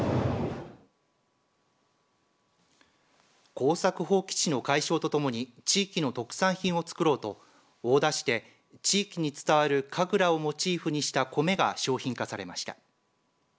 耕作放棄地の解消とともに地域の特産品を作ろうと大田市で地域に伝わる神楽をモチーフにした米が商品化されました。